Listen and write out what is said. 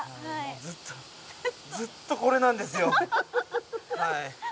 ずっと、ずっとこれなんですよ。